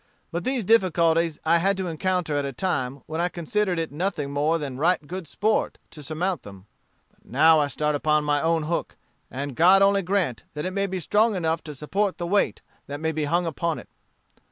But these difficulties I had to encounter at a time when I considered it nothing more than right good sport to surmount them. But now I start upon my own hook, and God only grant that it may be strong enough to support the weight that may be hung upon it.